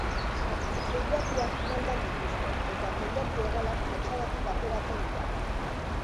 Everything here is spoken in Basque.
Teilatuak maldan dituzte eta teilatu-hegalak fatxadatik ateratzen dira.